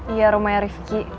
iya rumahnya rifqi